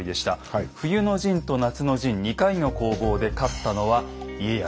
冬の陣と夏の陣２回の攻防で勝ったのは家康。